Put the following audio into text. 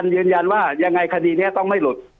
ยืนยันว่ายังไงคดีนี้ต้องไม่หลุด